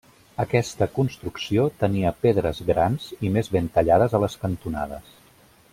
Aquesta construcció tenia pedres grans i més ben tallades a les cantonades.